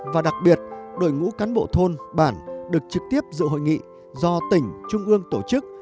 và đặc biệt đội ngũ cán bộ thôn bản được trực tiếp dự hội nghị do tỉnh trung ương tổ chức